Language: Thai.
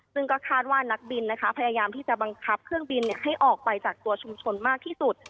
ซึ่งก็คาดว่านักบินนะคะพยายามที่จะบังคับเครื่องบินให้ออกไปจากตัวชุมชนมากที่สุด